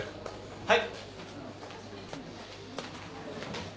はい。